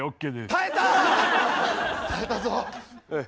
耐えたぞ。